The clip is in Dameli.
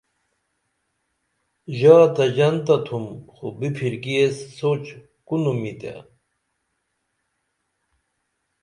ژا تہ ژنتہ تُھم خو بپھرکی ایس سوچ کونُمی تے